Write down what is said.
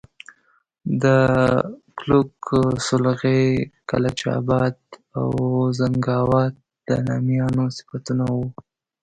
د کُلک، سولغی، کلچ آباد او زنګاوات د نامیانو صفتونه وو.